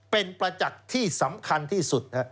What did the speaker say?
เป็นประจักษ์ที่สำคัญที่สุด